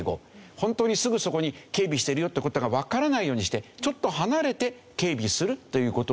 本当にすぐそこに警備してるよっていう事がわからないようにしてちょっと離れて警備するという事をしてたんですね。